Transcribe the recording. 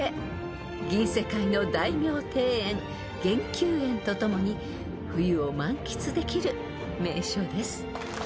［銀世界の大名庭園玄宮園と共に冬を満喫できる名所です］